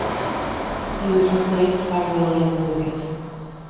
He was replaced by William Lucas.